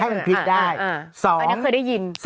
อันนี้เคยได้ยิน